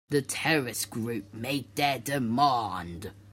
The terrorist group made their demand.